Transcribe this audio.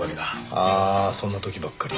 ああそんな時ばっかり。